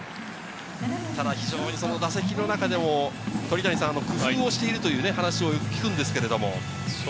ただ非常に打席の中でも、工夫をしているという話を聞きます。